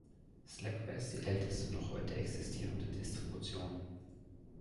Slackware ist die älteste noch heute existierende Distribution.